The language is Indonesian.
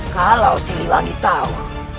kalau si liwangi tahu